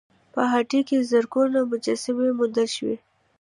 په هډه کې زرګونه مجسمې موندل شوي